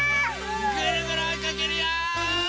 ぐるぐるおいかけるよ！